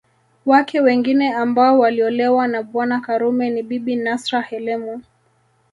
Wake wengine ambao waliolewa na Bwana Karume ni Bibi Nasra Helemu